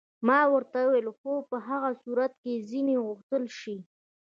ما ورته وویل: هو، په هغه صورت کې که ځینې وغوښتل شي.